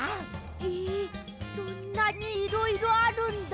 ええそんなにいろいろあるんだ。